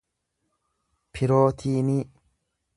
pirootiinii